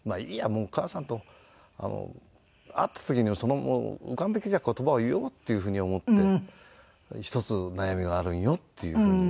もう母さんと会った時にその浮かんできた言葉を言おうっていう風に思って「１つ悩みがあるんよ」っていう風に言ったんです。